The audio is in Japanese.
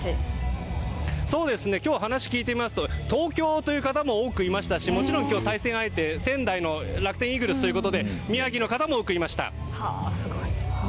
今日話を聞いてみますと東京という方も多くいましたしもちろん対戦相手は仙台の楽天イーグルスということで宮城の方も多くいました。